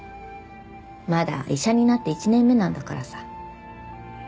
まだ医者になって１年目なんだからさ。